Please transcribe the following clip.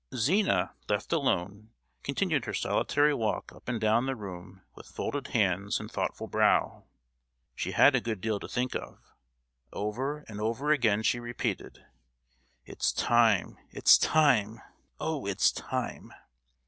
Zina, left alone, continued her solitary walk up and down the room with folded hands and thoughtful brow. She had a good deal to think of! Over and over again she repeated, "It's time—it's time—oh, it's time!"